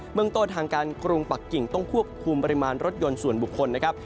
เมืองต้นทางการกรุงปักกิ่งต้องควบคุมปริมาณรถยนต์ส่วนบุคคลนะครับ